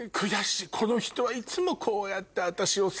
この人はいつもこうやって。